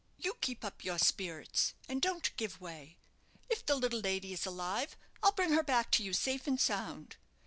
"You keep up your spirits, and don't give way. If the little lady is alive, I'll bring her back to you safe and sound.